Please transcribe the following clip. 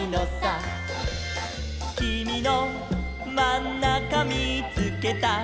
「きみのまんなかみーつけた」